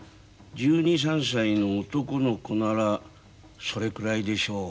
１２１３歳の男の子ならそれくらいでしょう。